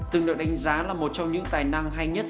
từng được đánh giá là một trong những tài năng hay nhất